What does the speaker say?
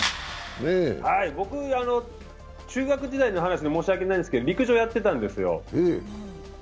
僕、中学時代の話で申し訳ないんですけど陸上やってたんですよ。